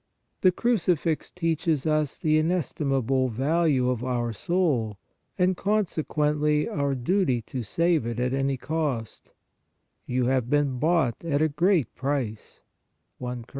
The Crucifix teaches us the inestimable value of our soul, and consequently our duty to save it at any cost :" You have been bought at a great price " (I Cor.